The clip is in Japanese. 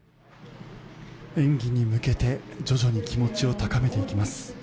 演技に向けて徐々に気持ちを高めていきます。